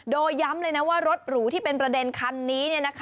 โดยย้ำเลยนะว่ารถหรูที่เป็นประเด็นคันนี้